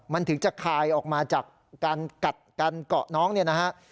มันถึงจะคายออกมาจากการกัดการเกาะน้องเนี่ยนะฮะ